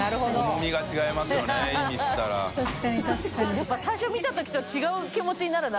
やっぱ最初見たときとは違う気持ちになるな。